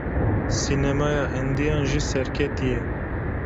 Sînemaya Hindiyan jî serketî ye.